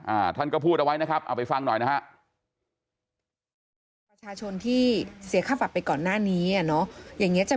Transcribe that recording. ท่านก็พูดเอาไว้นะครับเอาไปฟังหน่อยนะฮะ